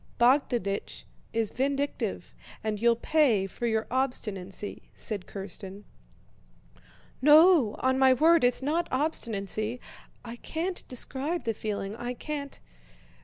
Bogdánich is vindictive and you'll pay for your obstinacy," said Kírsten. "No, on my word it's not obstinacy! I can't describe the feeling. I can't..."